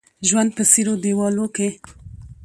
ژوند په څيرو دېوالو کې